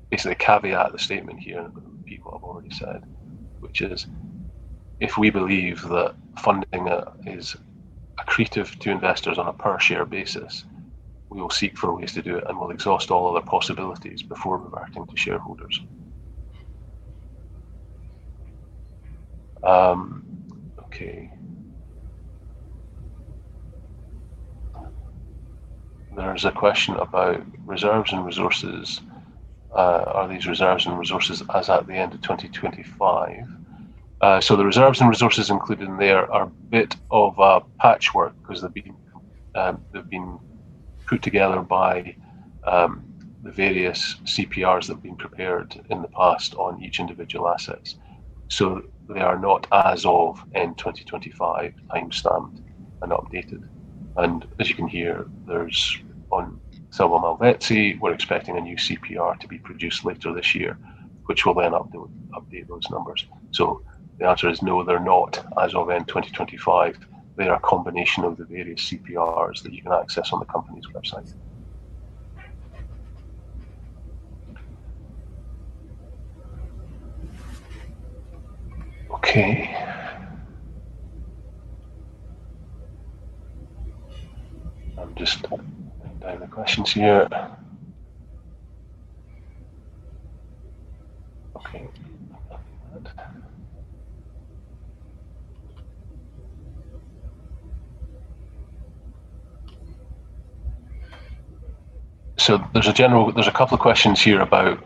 basically caveat the statement here, repeat what I've already said, which is if we believe that funding is accretive to investors on a per share basis, we will seek for ways to do it, and we'll exhaust all other possibilities before we act to shareholders. Okay. There's a question about reserves and resources. "Are these reserves and resources as at the end of 2025?" The reserves and resources included in there are a bit of a patchwork 'cause they've been put together by the various CPRs that have been prepared in the past on each individual assets. They are not as of end 2025 timestamped and updated. As you can hear, there's one on Selva Malvezzi, we're expecting a new CPR to be produced later this year, which will then update those numbers. The answer is no, they're not as of end 2025. They're a combination of the various CPRs that you can access on the company's website. Okay. I'm just going down the questions here. Okay. There's a couple of questions here about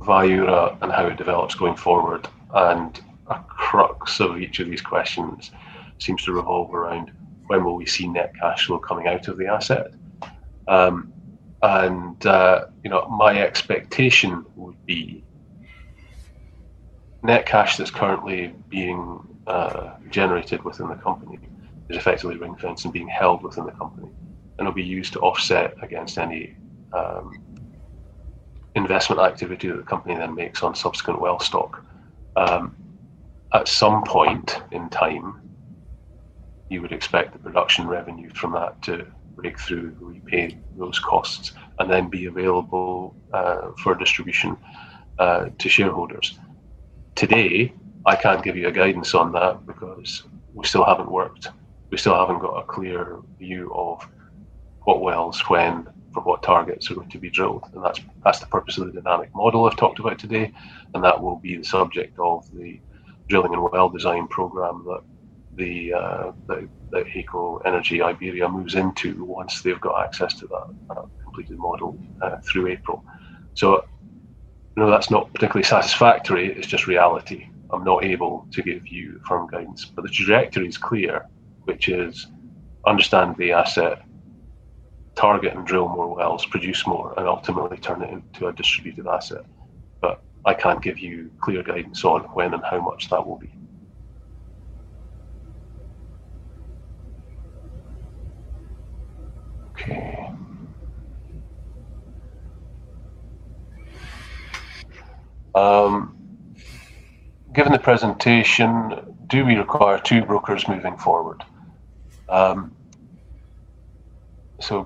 Viura and how it develops going forward. A crux of each of these questions seems to revolve around when will we see net cash flow coming out of the asset? You know, my expectation would be net cash that's currently being generated within the company is effectively ring-fenced and being held within the company. It'll be used to offset against any investment activity that the company then makes on subsequent well stock. At some point in time, you would expect the production revenue from that to break through, repay those costs, and then be available for distribution to shareholders. Today, I can't give you a guidance on that because we still haven't got a clear view of what wells, when, for what targets are going to be drilled. That's the purpose of the dynamic model I've talked about today, and that will be the subject of the drilling and well design program that HEYCO Energy Iberia moves into once they've got access to that completed model through April. I know that's not particularly satisfactory. It's just reality. I'm not able to give you firm guidance. The trajectory is clear, which is understand the asset, target and drill more wells, produce more, and ultimately turn it into a distributed asset. I can't give you clear guidance on when and how much that will be. Okay. "Given the presentation, do we require two brokers moving forward?"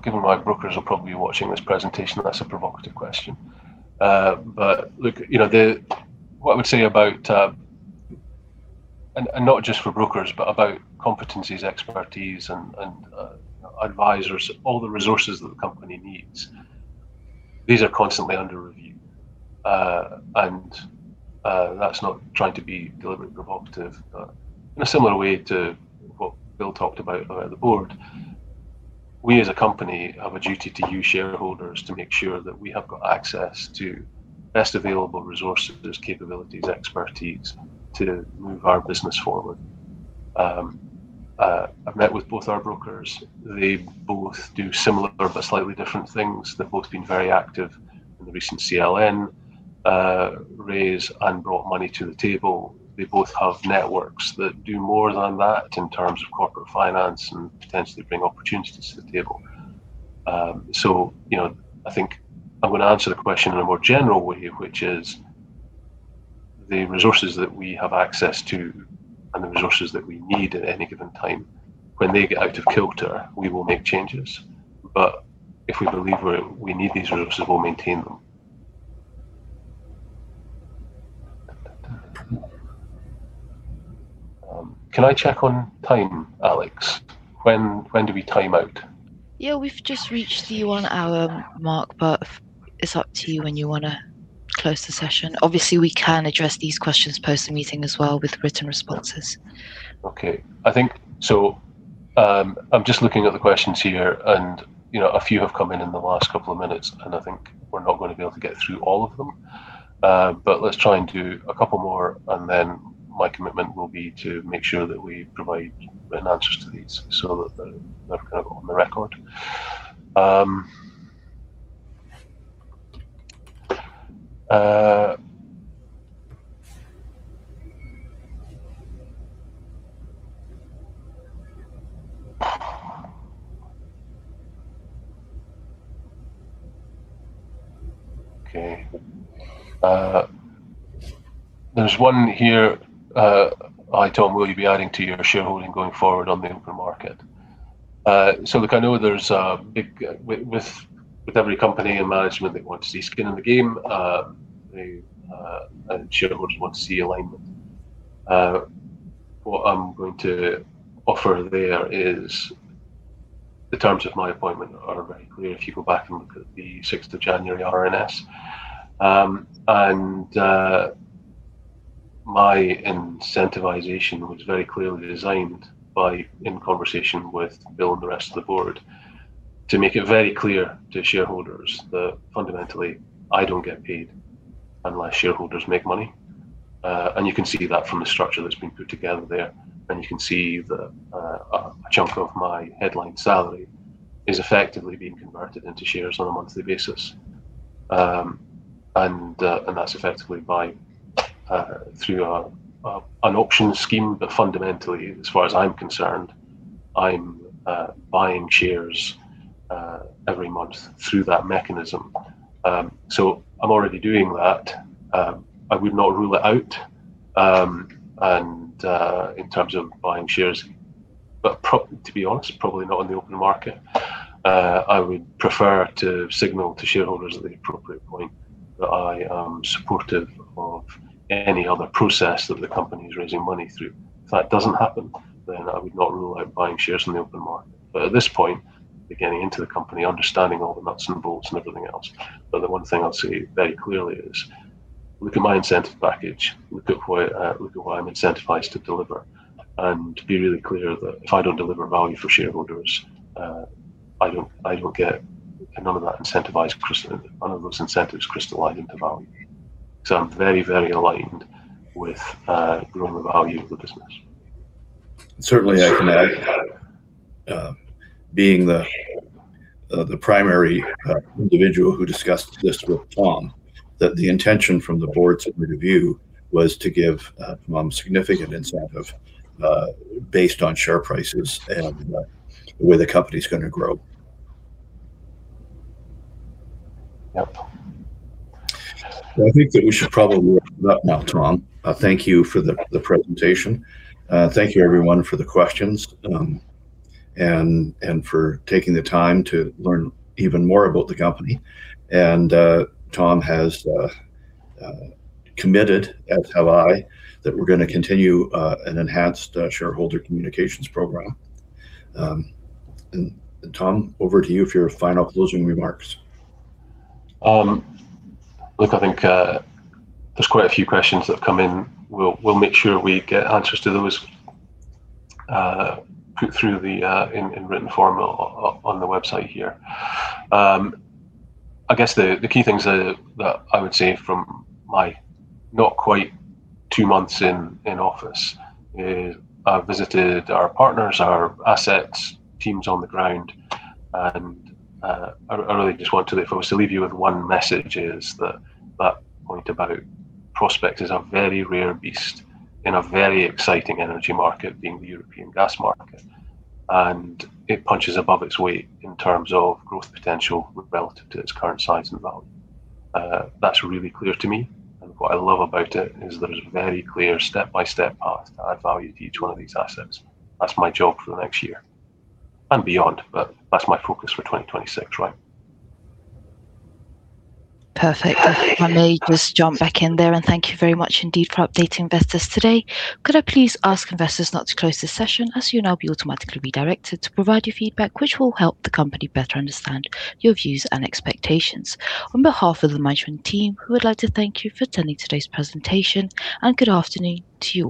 Given my brokers will probably be watching this presentation, that's a provocative question. Look, you know, what I would say about, and not just for brokers, but about competencies, expertise and advisors, all the resources that the company needs, these are constantly under review. That's not trying to be deliberately provocative. In a similar way to what Bill talked about around the board, we as a company have a duty to you shareholders to make sure that we have got access to best available resources, capabilities, expertise to move our business forward. I've met with both our brokers. They both do similar but slightly different things. They've both been very active in the recent CLN raise and brought money to the table. They both have networks that do more than that in terms of corporate finance and potentially bring opportunities to the table. You know, I think I'm gonna answer the question in a more general way, which is the resources that we have access to and the resources that we need at any given time, when they get out of kilter, we will make changes. If we believe we need these resources, we'll maintain them. Can I check on time, Alex? When do we time out? Yeah. We've just reached the one-hour mark, but it's up to you when you wanna close the session. Obviously, we can address these questions post the meeting as well with written responses. Okay. I think I'm just looking at the questions here and, you know, a few have come in in the last couple of minutes, and I think we're not gonna be able to get through all of them. Let's try and do a couple more, and then my commitment will be to make sure that we provide answers to these so that they're kind of on the record. Okay. There's one here. "Hi, Tom. Will you be adding to your shareholding going forward on the open market?" Look, I know there's a big with every company and management, they want to see skin in the game. They and shareholders want to see alignment. What I'm going to offer there is the terms of my appointment are very clear if you go back and look at the sixth of January RNS. My incentivization was very clearly designed by, in conversation with Bill and the rest of the board to make it very clear to shareholders that fundamentally I don't get paid unless shareholders make money. You can see that from the structure that's been put together there. You can see that a chunk of my headline salary is effectively being converted into shares on a monthly basis. That's effectively through an option scheme, but fundamentally, as far as I'm concerned, I'm buying shares every month through that mechanism. I'm already doing that. I would not rule it out, and in terms of buying shares, but to be honest, probably not on the open market. I would prefer to signal to shareholders at the appropriate point that I am supportive of any other process that the company is raising money through. If that doesn't happen, then I would not rule out buying shares in the open market. At this point, beginning into the company, understanding all the nuts and bolts and everything else. The one thing I'd say very clearly is look at my incentive package. Look at why I'm incentivized to deliver. To be really clear that if I don't deliver value for shareholders, I don't get none of that. None of those incentives crystallize into value. I'm very, very aligned with growing the value of the business. Certainly, I can add, being the primary individual who discussed this with Tom, that the intention from the board's review was to give Tom significant incentive based on share prices and where the company's gonna grow. Yep. I think that we should probably wrap up now, Tom. Thank you for the presentation. Thank you everyone for the questions, and for taking the time to learn even more about the company. Tom has committed, as have I, that we're gonna continue an enhanced shareholder communications program. Tom, over to you for your final closing remarks. Look, I think there's quite a few questions that have come in. We'll make sure we get answers to those, put through in written form on the website here. I guess the key things that I would say from my not quite two months in office is I've visited our partners, our assets, teams on the ground, and I really just want to, if I was to leave you with one message, is that point about Prospex is a very rare beast in a very exciting energy market, being the European gas market. It punches above its weight in terms of growth potential relative to its current size and value. That's really clear to me, and what I love about it is there's a very clear step-by-step path to add value to each one of these assets. That's my job for the next year and beyond, but that's my focus for 2026, right? Perfect. If I may just jump back in there, and thank you very much indeed for updating investors today. Could I please ask investors not to close this session, as you'll now be automatically redirected to provide your feedback, which will help the company better understand your views and expectations. On behalf of the management team, we would like to thank you for attending today's presentation, and good afternoon to you all.